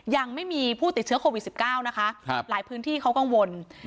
ยังไม่มีผู้ติดเชื้อโควิด๑๙นะคะหลายพื้นที่เขากังวล